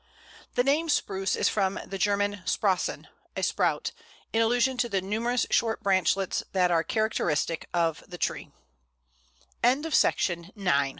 The name Spruce is from the German sprossen (a sprout), in allusion to the numerous short branchlets that are a characteristic of the tree. [Illustration: _Pl. 161.